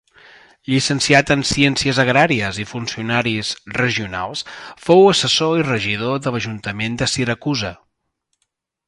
Llicenciat en ciències agràries i funcionaris regionals, fou assessor i regidor de l'ajuntament de Siracusa.